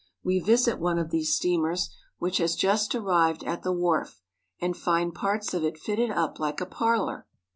We visit one of these steamers, which has just arrived at the wharf, and find parts of it fitted up like a parlor.